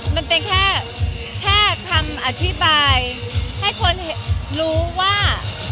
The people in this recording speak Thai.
มันเป็นแค่แค่คำอธิบายให้คนรู้ว่า